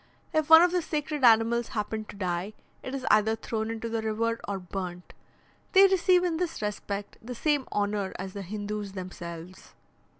If one of the sacred animals happen to die, it is either thrown into the river or burnt. They receive in this respect the same honour as the Hindoos themselves.